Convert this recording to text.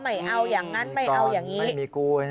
ไม่เอาอย่างนั้นไม่เอาอย่างนี้